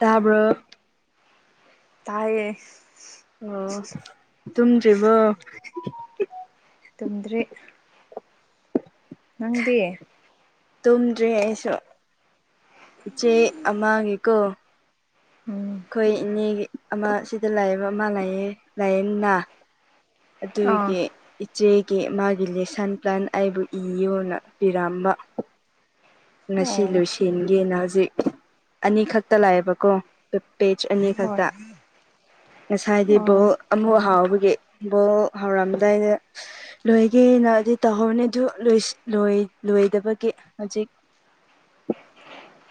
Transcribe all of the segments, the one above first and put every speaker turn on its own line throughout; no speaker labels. ꯇꯥꯕ꯭ꯔꯣ
ꯇꯥꯏꯌꯦ
ꯑꯣ ꯇꯨꯝꯗ꯭ꯔꯤꯕꯣ
ꯇꯨꯝꯗ꯭ꯔꯤ ꯅꯪꯗꯤ
ꯇꯨꯝꯗ꯭ꯔꯤ ꯑꯩꯁꯨ ꯏꯆꯦ ꯑꯃ ꯒꯤꯀꯣ
ꯎꯝ
ꯑꯩꯈꯣꯏ ꯏꯅꯦꯒꯤ ꯑꯃ ꯁꯤꯗ ꯂꯥꯏꯌꯦꯕ ꯑꯃ ꯂꯌꯦ ꯂꯥꯏꯌꯦꯅ
ꯑꯥ
ꯑꯗꯨꯒꯤ ꯆꯦꯒꯤ ꯃꯥꯒꯤ ꯂꯤꯁꯟ ꯄ꯭ꯂꯥꯟ ꯑꯩꯕꯨ ꯏꯌꯣꯅ ꯄꯤꯔꯝꯕ ꯉꯁꯤ
ꯑꯣ
ꯂꯣꯏꯁꯤꯟꯒꯦꯅ ꯍꯧꯖꯤꯛ ꯑꯅꯤꯈꯛꯇ ꯂꯥꯛꯑꯦꯕꯀꯣ ꯄꯦꯖ
ꯍꯣꯏ
ꯑꯅꯤꯈꯛꯇ ꯉꯁꯥꯏꯗꯤ
ꯑꯣ
ꯕꯣꯜ ꯑꯃꯨꯛ ꯍꯥꯎꯕꯒꯤ ꯕꯣꯜ ꯍꯥꯎꯔꯝꯗꯥꯏꯗ ꯂꯣꯏꯒꯦꯅ ꯇꯧꯍꯧꯔꯅꯤ ꯑꯗꯨ ꯂꯣꯏꯁꯤꯟ ꯂꯣꯏ ꯂꯣꯏꯗꯕꯒꯤ ꯍꯧꯖꯤꯛ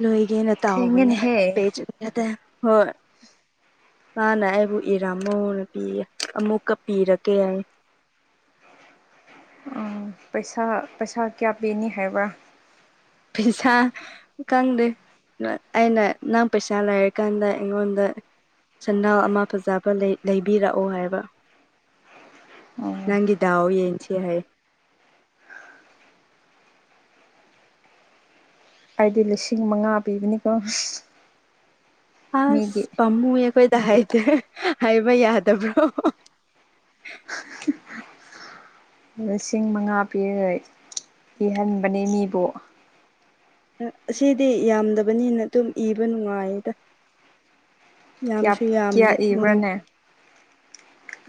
ꯂꯣꯏꯒꯦꯅ ꯇꯧꯕꯅꯦ
ꯊꯦꯡꯉꯦꯅꯦꯍꯦ
ꯄꯦꯖ ꯑꯅꯤꯈꯛꯇ ꯍꯣꯏ ꯃꯥꯅ ꯑꯩꯕꯨ ꯏꯔꯥꯃꯣꯅ ꯄꯤꯌꯦ ꯑꯃꯨꯛꯀ ꯄꯤꯔꯀꯦ ꯍꯥꯏ
[inaudible] ꯄꯩꯁꯥ ꯄꯩꯁꯥ ꯀꯌꯥ ꯄꯤꯅꯤ ꯍꯥꯏꯕ꯭ꯔꯥ
ꯄꯩꯁꯥ ꯈꯪꯗꯦ ꯑꯩꯅ ꯅꯪ ꯄꯩꯁꯥ ꯂꯩꯔꯀꯥꯟꯗ ꯑꯩꯉꯣꯟꯗ ꯁꯅꯥ ꯑꯃ ꯐꯖꯕ ꯂꯩ ꯂꯩꯕꯤꯔꯛꯑꯣ ꯍꯥꯏꯕ
ꯑꯣ
ꯅꯪꯒꯤ ꯗꯥꯥꯎ ꯌꯦꯡꯁꯦ ꯍꯥꯏꯌꯦ
ꯑꯩꯗꯤ ꯂꯤꯁꯤꯡ ꯃꯉꯥ ꯄꯤꯕꯅꯤꯀꯣ ꯃꯤꯒꯤ
ꯑ꯭ꯁ ꯄꯥꯃꯨꯌꯦ ꯑꯈꯣꯏꯗ ꯍꯥꯏꯗꯦ ꯍꯥꯏꯕ ꯌꯥꯗꯕ꯭ꯔꯣ
ꯂꯤꯁꯤꯡ ꯃꯉꯥ [unintelligible] ꯀꯤꯍꯟꯕꯅꯦ ꯃꯤꯕꯨ
ꯑꯁꯤꯗꯤ ꯌꯥꯝꯗꯕꯅꯤꯅ ꯗꯨꯝ ꯏꯕ ꯅꯨꯡꯉꯥꯏꯗ
ꯌꯥ ꯀꯌꯥ ꯏꯕ꯭ꯔꯅꯦ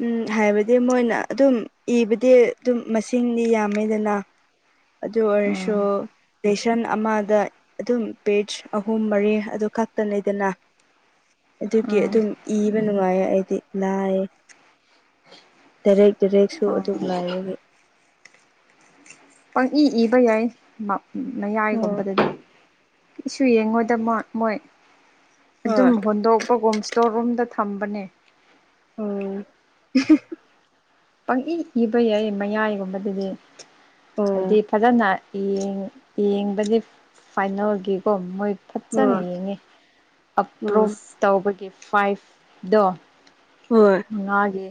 ꯎꯝ ꯍꯥꯏꯕꯗꯤ ꯃꯣꯏꯅ ꯑꯗꯨꯝ ꯏꯕꯗꯤ ꯗꯨꯝ ꯃꯁꯤꯡꯗꯤ ꯌꯥꯝꯃꯦꯗꯅ ꯑꯗꯨ
ꯎꯝ
ꯑꯣꯏꯔꯁꯨ ꯂꯦꯁꯟ ꯑꯃꯗ ꯑꯗꯨꯝ ꯄꯦꯖ ꯑꯍꯨꯝ ꯃꯔꯤ ꯑꯗꯨ ꯈꯛꯇꯅꯦꯗꯅ ꯑꯗꯨꯒꯤ
ꯎꯝ
ꯑꯗꯨꯝ ꯏꯕ ꯅꯨꯡꯉꯥꯏꯌꯦ ꯑꯩꯗꯤ ꯂꯥꯏ ꯇꯦꯔꯦꯛ ꯇꯦꯔꯦꯛꯁꯨ
ꯑꯣ
ꯑꯗꯨꯝ ꯂꯩꯏꯕꯒꯤ
ꯄꯪ ꯏ ꯏꯕ ꯌꯥꯏ ꯃ
ꯑꯣ
ꯃꯌꯥꯏꯒꯨꯝꯕꯗꯗꯤ ꯀꯩꯁꯨ ꯌꯦꯡꯉꯣꯏꯗ ꯃꯥ ꯃꯣꯏ ꯑꯗꯨꯝ
ꯍꯣꯏ
ꯍꯣꯟꯗꯣꯛꯄꯒꯨꯝ ꯁ꯭ꯇꯣꯔ ꯔꯨꯝꯗ ꯊꯝꯕꯅꯦ
[unintelligible]
ꯄꯪꯏ ꯏꯕ ꯌꯥꯏ ꯃꯌꯥꯏꯒꯨꯝꯕꯗꯗꯤ
ꯑꯣ
ꯍꯥꯏꯗꯤ ꯐꯖꯟꯅ ꯌꯦꯡ ꯌꯦꯡꯕꯗꯤ ꯐꯥꯏꯅꯦꯜꯒꯤꯀꯣ ꯃꯣꯏ ꯐꯖꯅ
ꯍꯣꯏ
ꯌꯦꯡꯉꯤ
ꯎꯝ
[unintelligible] ꯇꯧꯕꯒꯤ ꯐꯥꯏꯕꯗꯣ
ꯍꯣꯏ
ꯉꯥꯒꯤ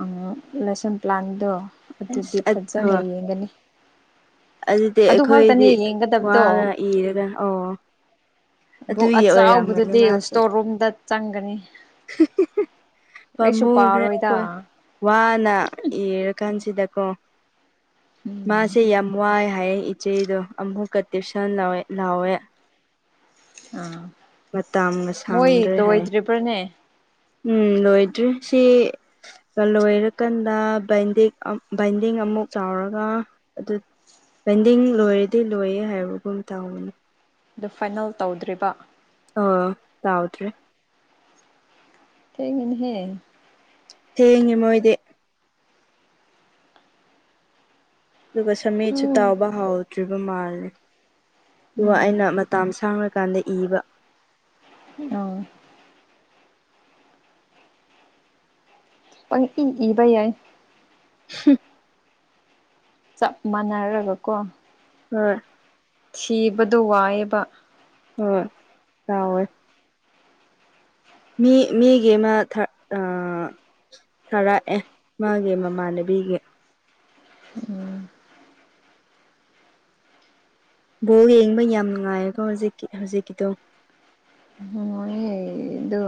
ꯑꯥ ꯂꯦꯁꯟ ꯄ꯭ꯂꯥꯟꯗꯣ ꯑꯗꯨꯗꯤ
ꯑꯁ
ꯐꯖꯟꯅ ꯌꯦꯡꯒꯅꯤ
ꯑꯩꯗꯤ
ꯑꯗꯨ ꯈꯛꯇꯅꯦ
ꯑꯩꯈꯣꯏꯗꯤ
ꯌꯦꯡꯒꯗꯕꯗꯣ
ꯋꯥꯒ ꯏꯔꯒ ꯑꯣ
ꯕꯨꯛ
ꯑꯗꯨꯒꯤ ꯑꯣꯏꯔꯝꯒꯅꯤ
ꯑꯆꯥꯎꯕꯗꯨꯗꯤ
ꯃꯥꯁꯦ
ꯁ꯭ꯇꯣꯔ ꯔꯨꯝꯗ ꯆꯪꯒꯅꯤ
[unintelligible]
ꯀꯔꯤꯁꯨ ꯄꯥꯔꯣꯏꯗ
[unintelligible] ꯋꯥꯅ ꯏꯔ ꯀꯥꯟꯁꯤꯗ
ꯎꯝ
ꯃꯥꯁꯦ ꯌꯥꯝ ꯋꯥꯏ ꯍꯥꯏ ꯏꯆꯦꯗꯣ ꯑꯃꯨꯛꯀ ꯇꯨꯏꯁꯟ ꯂꯧꯋꯦ ꯂꯥꯎꯋꯦ
ꯑꯥ
ꯃꯇꯝꯒ
ꯃꯣꯏ
ꯁꯪꯗ꯭ꯔꯦ ꯍꯥꯏ
ꯂꯣꯏꯗ꯭ꯔꯤꯕ꯭ꯔꯥꯅꯦ
ꯎꯝ ꯂꯣꯏꯗ꯭ꯔꯤ ꯁꯤ ꯂꯣꯏꯔꯀꯥꯟꯗ ꯕꯥꯏꯟꯗꯤ ꯑꯥ ꯕꯥꯏꯟꯗꯤꯡ ꯑꯃꯨꯛ ꯑꯃꯨꯛ ꯇꯥꯎꯔꯒ ꯑꯗꯨ ꯄꯦꯟꯗꯤꯡ ꯂꯣꯏꯔꯗꯤ ꯂꯣꯏꯌꯦ ꯍꯥꯏꯕꯒꯨꯝ ꯇꯧꯋꯦꯅꯦ
ꯑꯗꯨ ꯐꯥꯏꯅꯦꯜ ꯇꯧꯗ꯭ꯔꯤꯕ
ꯑꯥ ꯇꯥꯎꯗ꯭ꯔꯤ
ꯊꯦꯡꯢꯅꯦꯍꯦ
ꯊꯦꯡꯉꯤ ꯃꯣꯏꯗꯤ ꯑꯗꯨꯒ ꯁꯃꯤꯠꯁꯨ
ꯎꯝ
ꯇꯥꯎꯕ ꯍꯥꯎꯗ꯭ꯔꯤꯕ ꯃꯥꯜꯂꯦ ꯑꯗꯨꯒ ꯑꯩꯅ ꯃꯇꯝ ꯁꯥꯡꯅ ꯀꯥꯟꯗ ꯏꯕ
[unintelligible] ꯄꯪꯏ ꯏꯕ ꯌꯥꯏ
[unintelligible]
ꯆꯞ ꯃꯥꯟꯅꯔꯒ ꯀꯣ
[unintelligible]
ꯊꯤꯕꯗꯣ ꯋꯥꯏꯌꯦꯕ
ꯍꯣꯏ ꯇꯧꯋꯦ ꯃꯤ ꯃꯤ ꯒꯤꯅ ꯃꯊꯠ ꯑꯥ ꯊꯔꯛꯑꯦ ꯃꯥꯒꯤ ꯃꯃꯥꯟꯅꯕꯤꯒꯤ ꯕꯣꯜ ꯌꯦꯡꯕ ꯌꯥꯝ ꯅꯨꯡꯉꯥꯏꯔꯦꯀꯣ ꯍꯧꯖꯤꯛ ꯍꯧꯖꯤꯛꯀꯤꯗꯣ
ꯍꯣꯏ ꯑꯗꯨ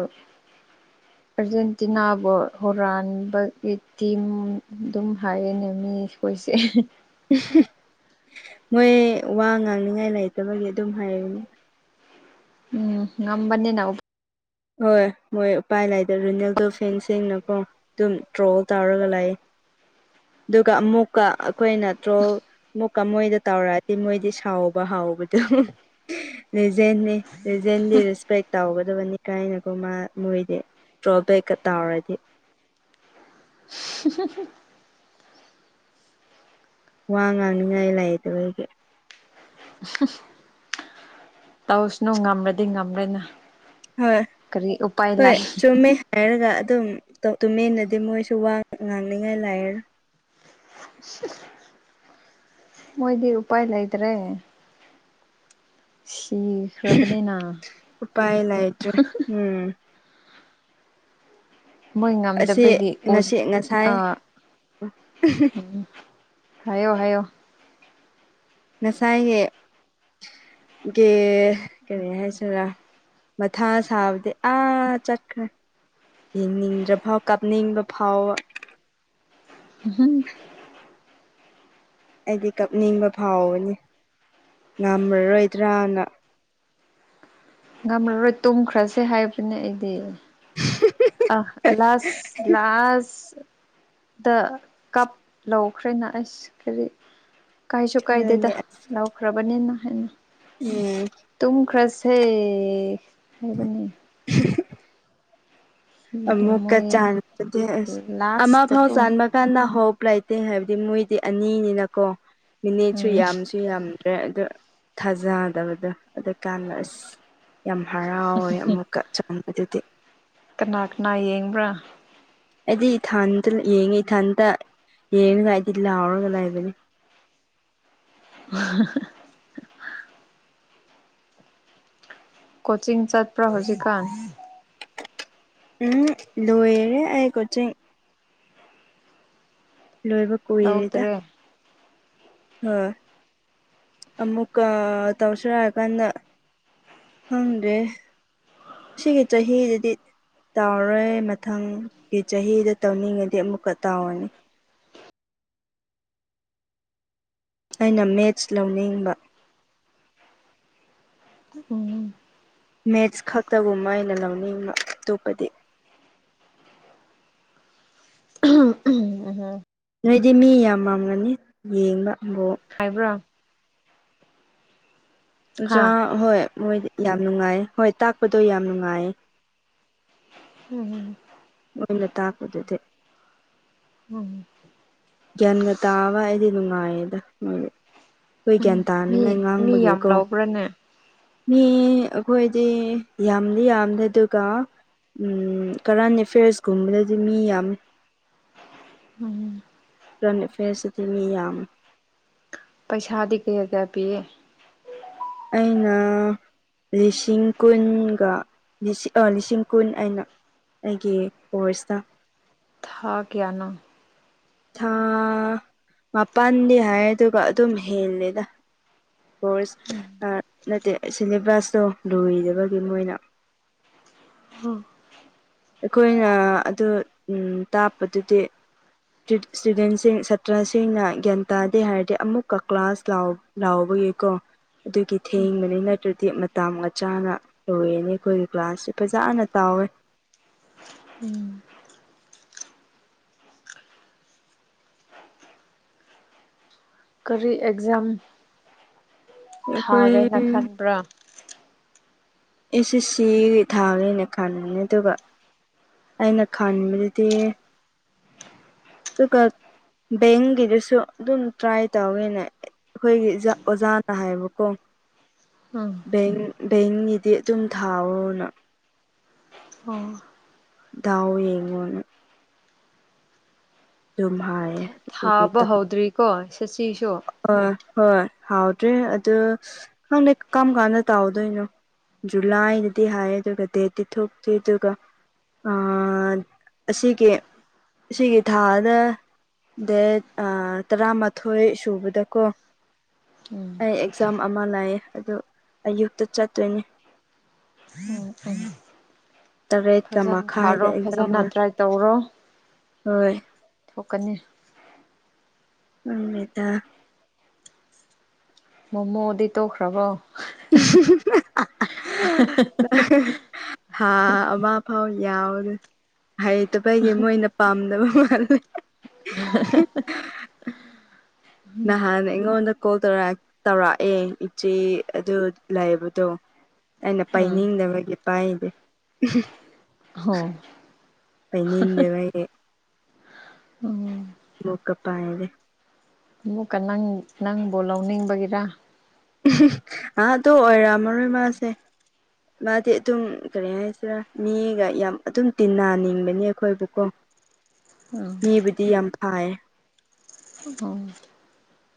ꯑꯥꯔꯖꯦꯟꯇꯤꯅꯥꯕꯨ ꯍꯨꯔꯥꯟꯕꯒꯤ ꯇꯤꯝ ꯑꯗꯨꯝ ꯍꯥꯏꯌꯦꯅꯦ ꯃꯤ ꯑꯩꯈꯣꯏꯁꯦ
ꯃꯣꯏ ꯋꯥ ꯉꯥꯡꯅꯤꯉꯥꯏ ꯂꯩꯇꯕꯒꯤ ꯑꯗꯨꯝ ꯍꯥꯏꯕꯅꯦ
ꯎꯝ ꯉꯝꯕꯅꯤ ꯅꯥꯎ
ꯍꯣꯏ ꯃꯣꯏ ꯎꯄꯥꯏ ꯂꯩꯥꯇꯕꯒꯤ ꯀꯣ ꯐꯦꯟ ꯁꯤꯡꯅꯀꯣ ꯑꯗꯨꯝ ꯇ꯭ꯔꯣꯜ ꯇꯧꯔꯒ ꯂꯥꯛꯏ ꯑꯗꯨꯒ ꯑꯃꯨꯛꯀ ꯑꯩꯈꯣꯏꯅ ꯇ꯭ꯔꯣꯜ ꯑꯃꯨꯛꯀ ꯃꯣꯏꯗ ꯇꯧꯔꯛꯑꯗꯤ ꯃꯣꯏꯗꯤ ꯁꯥꯎꯕ ꯀꯣ ꯁꯥꯎꯕꯗꯣ ꯂꯤꯖꯦꯟꯅꯤ ꯃꯤꯖꯦꯟꯕꯨ ꯔꯦꯁꯄꯦꯛ ꯇꯧꯒꯗꯕꯅꯤ ꯀꯥꯏꯅꯀꯣ ꯃꯥ ꯃꯣꯏꯗꯤ ꯗ꯭ꯔꯣꯕꯦꯛꯀ ꯇꯥꯎꯔꯗꯤ ꯋꯥ ꯉꯥꯡꯅꯤꯉꯥꯏ ꯂꯩꯇꯕꯒꯤ
ꯇꯧꯁꯅꯨ ꯉꯝ꯭ꯔꯗꯤ ꯉꯝꯔꯦꯅ
ꯍꯣꯏ
ꯀꯔꯤ ꯎꯄꯥꯏ
ꯍꯣꯏ
ꯂꯩ
ꯆꯨꯝꯃꯦ ꯍꯥꯏꯔꯒ ꯑꯗꯨꯝ ꯇꯨꯃꯤꯟꯅꯗꯤ ꯃꯣꯏꯁꯨ ꯋꯥ ꯉꯥꯡꯅꯤꯡꯉꯥꯏ ꯂꯩꯔꯔꯣꯏ
ꯃꯣꯏꯗꯤ ꯎꯄꯥꯏ ꯂꯩꯇꯔꯦ
ꯎꯄꯥꯏ ꯂꯩꯇ꯭ꯔꯦ ꯎꯝ
ꯃꯣꯏ
ꯑꯁꯤ
ꯉꯝꯗꯕꯒꯤ ꯄꯣꯁ
ꯉꯁꯤ ꯉꯁꯥꯏ
ꯎꯝ ꯍꯥꯏꯌꯣ ꯍꯥꯏꯌꯣ
ꯉꯁꯥꯏꯅꯦ ꯀꯦ ꯀꯔꯤ ꯍꯥꯏꯁꯤꯔꯥ ꯃꯊ ꯁꯥꯕꯗꯤ ꯑꯥ ꯆꯠꯈ꯭ꯔꯦ ꯌꯦꯡꯅꯤꯡꯗ꯭ꯔꯐꯥꯎ ꯀꯥꯞꯅꯤꯡꯕ ꯐꯥꯎꯕ
ꯍꯨꯝ ꯍꯨꯝ
ꯑꯩꯗꯤ ꯀꯞꯅꯤꯡꯕ ꯐꯥꯎꯕꯅꯤ ꯉꯝꯃꯔꯣꯏꯗ꯭ꯔꯅ
ꯉꯝꯂꯔꯣꯏ ꯇꯨꯝꯈ꯭ꯔꯁꯦ ꯍꯥꯏꯕꯅꯦ ꯑꯩꯗꯤ ꯑꯥ ꯂꯥꯁ ꯂꯥꯁ ꯗ ꯀꯞ ꯂꯧꯈ꯭ꯔꯦꯅ ꯑꯁ ꯀꯔꯤ ꯀꯥꯏꯁꯨ ꯀꯥꯏꯗꯦꯗ
ꯑꯗꯨꯅꯦ ꯑꯁ
ꯂꯧꯈ꯭ꯔꯕꯅꯤꯅ ꯍꯥꯏꯅ
ꯎꯝ
ꯇꯨꯝꯈ꯭ꯔꯁꯦ ꯍꯥꯏꯕꯅꯤ ꯑꯗꯨ
ꯑꯃꯨ
ꯃꯣꯏ
ꯀꯆꯥꯟ ꯑꯃ ꯐꯥꯎ
ꯂꯥꯁꯇꯀꯣ
ꯆꯥꯟꯕ ꯀꯥꯟꯗ ꯍꯣꯞ ꯂꯩꯥꯏꯇꯦ ꯍꯥꯏꯕꯗꯤ ꯃꯣꯏꯗꯤ ꯑꯅꯤꯅꯤꯅꯀꯣ ꯃꯤꯅꯤꯠꯁꯨ
ꯎꯝ
ꯌꯥꯝꯁꯨ ꯌꯥꯝ ꯑꯗꯨ ꯊꯥꯖꯗꯕꯗꯣ ꯑꯗꯨ ꯀꯥꯟꯗ ꯑꯁ ꯌꯥꯝ ꯍꯔꯥꯎꯋꯦ ꯑꯃꯨꯛꯀ ꯆꯪꯕ ꯑꯗꯨꯗꯤ
ꯃꯥ ꯀꯅꯥ ꯌꯦꯡꯕ꯭ꯔꯥ
ꯑꯩꯗꯤ ꯏꯊꯟꯇ ꯌꯦꯡꯉꯤ ꯏꯊꯟꯇ ꯌꯦꯡꯉꯒ ꯑꯩꯗꯤ ꯂꯥꯎꯔꯒ ꯂꯩꯕꯅꯦ
[inaudible] ꯀꯣꯆꯤꯡ ꯆꯠꯄ꯭ꯔꯥ ꯍꯧꯖꯤꯛꯀꯥꯟ
ꯎꯝ ꯂꯣꯏꯔꯦ ꯑꯩ ꯀꯣꯆꯤꯡ ꯂꯣꯏꯕ ꯀꯨꯏꯔꯦꯗ
ꯂꯧꯗ꯭ꯔꯦ
ꯍꯣꯏ ꯑꯃꯨꯛꯀ ꯇꯧꯁꯤꯔ ꯀꯟꯅ ꯈꯪꯗꯦ ꯁꯤꯒꯤ ꯆꯥꯍꯤꯁꯤꯗꯤ ꯇꯥꯎꯔꯣꯏ ꯃꯊꯪꯒꯤ ꯆꯍꯤꯗ ꯇꯧꯅꯤꯡꯉꯗꯤ ꯑꯃꯨꯛꯀ ꯇꯥꯎꯔꯅꯤ ꯑꯩꯅ ꯃꯦꯠꯁ ꯂꯧꯅꯤꯡꯕ
ꯑꯣ
ꯃꯦꯠꯁ ꯈꯛꯇꯒꯨꯝꯕ ꯑꯩꯅ ꯂꯧꯅꯤꯡꯕ ꯑꯇꯣꯞꯄꯗꯤ
ꯎꯝ
ꯅꯣꯏꯗꯤ ꯃꯤ ꯌꯥꯝꯃꯝꯒꯅꯤ ꯌꯦꯡꯕ ꯕꯣꯜ
ꯈꯥꯏꯕ꯭ꯔꯣ ꯍꯥ
ꯑꯣꯖꯥ ꯍꯣꯏ ꯃꯣꯏꯗꯤ ꯌꯥꯝ ꯅꯨꯡꯉꯥꯏ ꯍꯣꯏ ꯇꯥꯛꯄꯗꯣ ꯌꯥꯝ ꯅꯨꯡꯉꯥꯏꯌꯦ
ꯎꯝ ꯎꯝ
ꯅꯣꯏꯅ ꯇꯥꯛꯄꯗꯨꯗꯤ
ꯎꯝ
ꯒ꯭ꯌꯥꯟꯒ ꯇꯥꯕ ꯑꯩꯗꯤ ꯅꯨꯡꯉꯥꯏꯌꯦꯗ ꯃꯣꯏ ꯑꯩꯈꯣꯏ
ꯎꯝ
ꯒ꯭ꯌꯥꯟ
ꯃꯤ
ꯇꯥꯅꯉꯥꯏ
ꯃꯤ
ꯉꯥꯡꯕꯒꯤ
ꯌꯥꯝ
ꯀꯣ
ꯂꯧꯕ꯭ꯔꯥꯅꯦ
ꯃꯤ ꯑꯩꯈꯣꯏꯗꯤ ꯌꯥꯝꯗꯤ ꯌꯥꯝꯗꯦ ꯑꯗꯨꯒ ꯎꯝ ꯀꯔꯦꯟ ꯑꯦꯐꯤꯌꯔꯁꯀꯨꯝꯕꯗꯗꯤ ꯃꯤ ꯌꯥꯝꯃꯤ
ꯃꯅꯦ
ꯀ꯭ꯔꯟ ꯑꯦꯐꯤꯌꯔꯁꯇꯗꯤ ꯃꯤ ꯌꯥꯝꯃꯦ
ꯄꯩꯁꯥꯗꯤ ꯀꯩꯌꯥ ꯀꯩꯌꯥ ꯄꯤꯔꯦ
ꯑꯩꯅ ꯂꯤꯁꯤꯡ ꯀꯨꯟꯒ ꯂꯤꯁꯤꯡ ꯀꯨꯟ ꯑꯩꯅ ꯑꯩꯒꯤ ꯀꯣꯔꯁꯇ
ꯊꯥ ꯀꯌꯥꯅꯣ
ꯊꯥ ꯃꯥꯄꯟꯗꯤ ꯍꯥꯏ ꯑꯗꯨꯒ ꯑꯗꯨꯝ ꯍꯦꯜꯂꯦꯗ ꯀꯣꯔꯁ ꯅꯠꯇꯦ ꯁꯤꯂꯦꯕꯁꯇꯣ ꯂꯣꯏꯗꯕꯒꯤ ꯃꯣꯏꯅ
[inaudible]
ꯑꯩꯈꯣꯏꯅ ꯑꯗꯨ ꯇꯥꯞꯄꯗꯨꯗꯤ ꯏꯁꯇꯨꯗꯦꯟꯁꯤꯡ ꯁꯥꯇ꯭ꯔꯁꯤꯡꯅ ꯒ꯭ꯌꯥꯟ ꯇꯥꯗꯦ ꯍꯥꯏꯔꯗꯤ ꯑꯃꯨꯛꯀ ꯀ꯭ꯂꯥꯁ ꯂꯥꯎ ꯂꯥꯎꯕꯒꯤ ꯀꯣ ꯑꯗꯨꯒꯤ ꯊꯦꯡꯕꯅꯤ ꯅꯠꯇ꯭ꯔꯗꯤ ꯃꯇꯝꯒ ꯆꯥꯥꯅ ꯂꯣꯏꯔꯦꯅꯤ ꯑꯩꯈꯣꯏꯒꯤ ꯒ꯭ꯂꯥꯁꯁꯦ ꯐꯖꯅ ꯇꯥꯎ ꯋꯦ
ꯎꯝ ꯀꯔꯤ ꯑꯦꯛꯖꯥꯝ
ꯑꯩꯈꯣꯏ
ꯊꯥꯒꯦꯅ ꯈꯟꯕ꯭ꯔꯥ
ꯑꯦꯁꯦ ꯁꯤ ꯊꯥꯅꯦꯅ ꯈꯟꯅꯕꯅꯦ ꯑꯗꯨꯒ ꯑꯩꯅ ꯈꯟꯕꯗꯗꯤ ꯇꯨꯀꯥ ꯕꯦꯡꯒꯤꯗꯨꯁꯨ ꯑꯗꯨꯝ ꯇ꯭ꯔꯥꯏ ꯇꯧꯋꯦꯅꯦ ꯑꯩꯈꯣꯏꯒꯤ ꯑꯣꯖꯥꯅ ꯍꯥꯏꯕꯀꯣ
[inaudible]
ꯕꯦꯡ ꯕꯦꯡꯒꯤꯗꯤ ꯑꯗꯨꯝ ꯊꯥꯎꯑꯣꯅ
ꯑꯣ
ꯗꯥꯎ ꯌꯦꯡꯉꯣꯅ ꯑꯗꯨꯨꯝ ꯍꯥꯏꯌꯦ
ꯊꯥꯕ ꯍꯧꯗ꯭ꯔꯤꯀꯣ ꯁꯁꯤ
ꯑꯥ ꯍꯣꯏ ꯍꯥꯎꯗ꯭ꯔꯤ ꯑꯗꯨ ꯈꯪꯗꯦ ꯀꯔꯝ ꯀꯥꯟꯗ ꯇꯥꯎꯗꯣꯏꯅꯣ ꯖꯨꯂꯥꯏꯗꯗꯤ ꯍꯥꯏ ꯑꯗꯨꯒ ꯗꯦꯠꯇꯤ ꯊꯣꯛꯇ꯭ꯔꯤ ꯑꯗꯨꯒ ꯑꯥ ꯑꯁꯤꯒꯤ ꯁꯤꯒꯤ ꯊꯥꯗ ꯗꯦꯠ ꯇꯔꯥꯃꯥꯊꯣꯏ ꯆꯨꯕꯗꯀꯣ ꯑꯩ ꯑꯦꯛꯖꯥꯝ ꯑꯃ ꯂꯩꯌꯦ ꯑꯗꯨ ꯑꯌꯨꯛꯇ ꯆꯠꯇꯣꯏꯅꯦ
ꯑꯣꯑꯣ
ꯇꯔꯦꯠꯀ ꯃꯈꯥꯏꯗ ꯑꯦꯛꯖꯥꯝ
ꯐꯖꯅ
ꯑꯃ
ꯇ꯭ꯔꯥꯏ ꯇꯧꯔꯣ
ꯍꯣꯏ
ꯊꯣꯛꯀꯅꯤ
ꯃꯝꯃꯦꯗ
ꯃꯣꯃꯣꯗꯤ ꯇꯣꯛꯈ꯭ꯔꯕꯣ
[inaudible] ꯊꯥ ꯑꯃ ꯐꯥꯎ ꯌꯥꯎꯗꯦ ꯍꯩꯇꯕꯒꯤ ꯃꯣꯏꯅ ꯄꯥꯝꯗꯕ ꯃꯥꯜꯂꯦ [inaudible] ꯅꯍꯥꯟ ꯑꯩꯉꯣꯟꯗ ꯀꯣꯜ ꯇꯧꯔꯛ ꯇꯧꯔꯛꯑꯦ ꯏꯆꯦ ꯑꯗꯨ ꯂꯩꯕꯗꯣ ꯑꯩꯅ
ꯎꯝ
ꯄꯥꯏꯅꯤꯡꯗꯕꯒꯤ ꯄꯥꯏꯗꯦ
ꯍꯣ
ꯄꯥꯏꯅꯤꯡꯗꯕꯒꯤ
ꯎꯝ
ꯂꯣꯛꯀ ꯄꯥꯢꯔꯦ
ꯑꯃꯨꯛꯀ ꯅꯪ ꯅꯪꯕꯨ ꯂꯧꯅꯤꯡꯕꯒꯤꯔꯥ
[inaudible] ꯑꯗꯣ ꯑꯣꯏꯔꯝ ꯃꯔꯣꯏ ꯃꯥꯁꯦ ꯃꯥꯗꯤ ꯑꯗꯨꯝ ꯀꯔꯤ ꯍꯥꯏꯁꯤꯔꯥ ꯃꯤꯒ ꯌꯥꯝ ꯑꯗꯨꯝ ꯇꯤꯟꯅꯅꯤꯡꯕꯅꯤ ꯑꯩꯈꯣꯏꯕꯨꯀꯣ
[inaudible]
ꯃꯤꯕꯨꯗꯤ ꯌꯥꯝ ꯐꯩꯑꯦ
[unintelligible]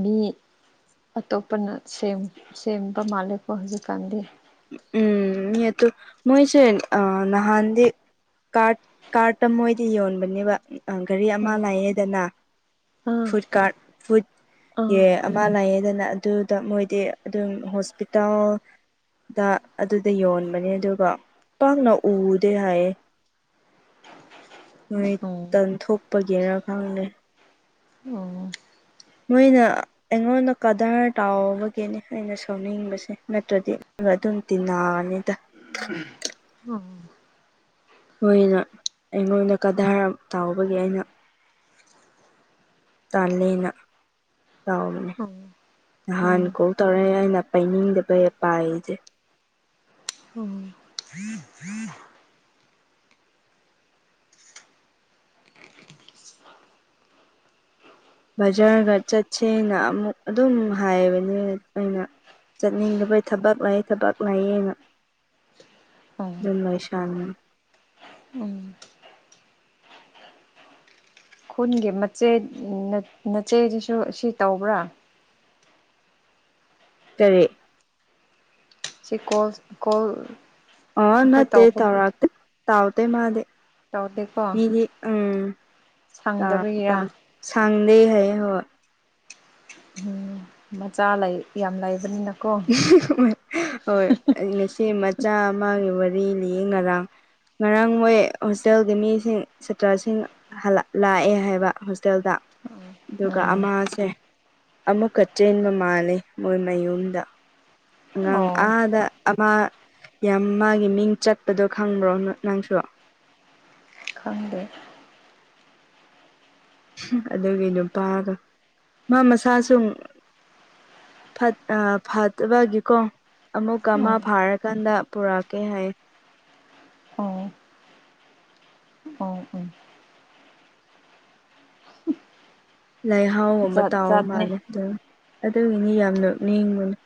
ꯃꯤ ꯑꯇꯣꯞꯄꯅ ꯁꯦꯝ ꯁꯦꯝꯕ ꯃꯥꯜꯂꯦꯀꯣ ꯍꯧꯖꯤꯛꯀꯥꯟꯗꯤ
ꯑꯨꯝ ꯃꯤꯑꯇꯣ ꯃꯣꯏꯁꯦ ꯑ ꯅꯍꯥꯟꯗꯤ ꯀꯥꯔ ꯀꯥꯔꯠꯇ ꯃꯣꯏꯗꯤ ꯌꯣꯟꯕꯅꯦꯕ ꯒꯔꯤ ꯑꯃ
ꯎꯝ
ꯂꯩꯑꯦꯗꯅ
ꯑꯥ
ꯐꯨꯠ ꯀꯥꯔꯠ ꯐꯨꯠ
ꯑꯥ
ꯌꯦ ꯑꯃ ꯂꯩꯌꯦꯗꯅ ꯑꯗꯨꯗ ꯃꯣꯏꯗꯤ ꯑꯗꯨꯝ ꯍꯣꯁꯄꯤꯇꯥꯜ ꯗ ꯑꯗꯨꯗ ꯌꯣꯟꯕꯅꯦ ꯑꯗꯨꯒ ꯄꯥꯛꯅ ꯎꯗꯦ ꯍꯥꯏꯌꯦ ꯃꯣꯢ
ꯎꯝ
ꯇꯟꯊꯣꯛꯄꯒꯤꯔꯥ ꯈꯪꯗꯦ
ꯎꯝ
ꯃꯣꯏꯅ ꯑꯩꯉꯣꯟꯗ ꯀꯗꯥꯔ ꯇꯧꯕꯒꯤꯅꯦ ꯑꯩꯅ ꯁꯥꯎꯅꯤꯡꯕꯁꯦ ꯅꯠꯇ꯭ꯔꯗꯤ ꯍꯣꯢ ꯑꯗꯨꯝ ꯇꯤꯟꯅꯅꯤꯗ ꯃꯣꯏꯅ ꯑꯩꯉꯣꯟꯗ ꯀꯗꯥꯔ ꯇꯧꯕꯒꯤ ꯑꯩꯅ ꯇꯜꯂꯦꯅ ꯇꯧꯕꯅꯦ
ꯎꯝ ꯎꯝ
ꯅꯍꯥꯟ ꯀꯣꯜ ꯇꯧꯔꯛꯑꯦ ꯑꯩꯅ ꯄꯥꯏꯅꯤꯡꯗꯕꯒꯤ ꯄꯥꯏꯗꯦ
ꯎꯝ ꯎꯝ
ꯕꯖꯥꯔꯒ ꯆꯠꯁꯦꯅ ꯑꯃꯨꯛ ꯑꯗꯨꯝ ꯍꯥꯏꯕꯅꯦ ꯑꯩꯅ ꯆꯠꯅꯤꯡꯗꯕꯩ ꯊꯕꯛ ꯂꯩ ꯊꯕꯛ ꯂꯩꯌꯦꯅ ꯑꯗꯨꯝ ꯂꯩꯁꯟꯕꯅꯦ
ꯑꯨꯝ ꯈꯨꯟꯒꯤ ꯃꯆꯦ ꯅꯆꯦꯗꯨꯁꯨ ꯁꯤ ꯇꯧꯕ꯭ꯔ
ꯀꯔꯤ
ꯁꯤ ꯀꯣꯜ ꯀꯣꯜ
ꯑ
ꯑꯩꯈꯣꯏ
ꯅꯠꯇꯦ
ꯇꯧꯕ
ꯇꯧꯔꯛꯇꯦ ꯇꯧꯗꯦ ꯃꯥꯗꯤ
ꯇꯧꯗꯦꯀꯣ
ꯃꯤꯗꯤ ꯑꯪ ꯇ ꯇ
ꯁꯪꯗꯕꯒꯤꯔ
ꯁꯪ ꯂꯩ ꯍꯥꯏꯌꯦ ꯍꯣꯏ
ꯍꯨꯝ ꯃꯆꯥ ꯂꯩ ꯌꯥꯝ ꯂꯩꯕꯅꯤꯅ
[inaudible] ꯍꯣꯏ ꯍꯣꯢ ꯉꯁꯤ ꯃꯆꯥ ꯑꯃꯒꯤ ꯋꯔꯤ ꯂꯤ ꯂꯤꯌꯦ ꯉꯔꯥꯡ ꯉꯔꯥꯡ ꯃꯣꯏ ꯍꯣꯁꯇꯦꯜꯒꯤ ꯃꯤꯁꯤꯡ ꯁꯥꯇ꯭ꯔꯁꯤꯡ ꯍꯜꯂ ꯂꯥꯛꯑꯦ ꯍꯥꯏꯕ ꯍꯣꯁꯇꯦꯜꯗ ꯑꯗꯨꯒ
ꯎꯝ
ꯑꯃꯁꯦ ꯑꯃꯨꯛꯀ ꯆꯦꯟꯕ ꯃꯥꯜꯂꯦ ꯃꯣꯏ ꯃꯌꯨꯝꯗ ꯉꯪ
ꯑꯣ
ꯑꯥꯗ ꯑꯃ ꯌꯥꯝ ꯃꯥꯒꯤ ꯃꯤꯡ ꯆꯠꯄꯗꯣ ꯈꯪꯕ꯭ꯔꯣ ꯅꯪꯁꯨ
ꯈꯪꯗꯦ
ꯑꯗꯨꯒꯤ ꯅꯨꯄꯥꯗꯣ ꯃꯥ ꯃꯁꯥꯁꯨ ꯐꯠ ꯑꯥ ꯐꯠꯇꯕꯒꯤ ꯀꯣ ꯑꯃꯨꯛꯀ
ꯑꯣ
ꯃ ꯐꯥꯔꯀꯥꯟꯗ ꯄꯨꯔꯛꯀꯦ ꯍꯥꯏꯌꯦ
ꯑꯣ ꯑꯣ ꯎꯝ
ꯂꯩꯥꯏꯍꯥꯎ ꯑꯃ
ꯖꯥꯠ
ꯇꯥꯎꯕ
ꯖꯥꯠꯅꯦ
ꯃꯥꯜꯂꯦ ꯑꯗꯨ ꯑꯗꯨꯒꯤꯅꯤ ꯌꯥꯝꯅ ꯅꯤꯡꯕꯗꯣ